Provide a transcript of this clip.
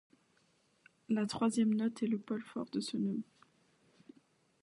La troisième note est le pôle fort de ce neume.